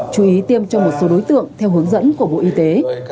chú ý tiêm cho một số đối tượng theo hướng dẫn của bộ y tế